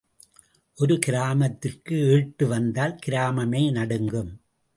ஒரு கிராமத்திற்கு ஏட்டு வந்தால் கிராமமே நடுங்கும்.